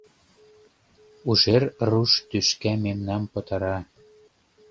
— Ужер руш тӱшка мемнам пытара».